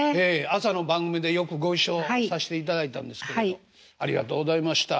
朝の番組でよくご一緒さしていただいたんですけどありがとうございました。